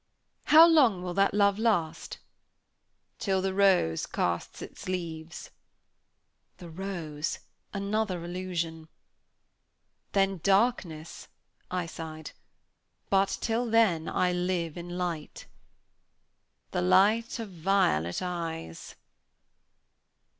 "How long will that love last?" "Till the rose casts its leaves." The rose another allusion! "Then darkness!" I sighed. "But till then I live in light." "The light of violet eyes."